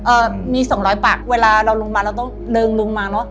เอ่อมีสองร้อยปากเวลาเราลงมาเราต้องเริงลงมาเนอะ